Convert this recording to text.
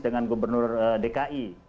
dengan gubernur dki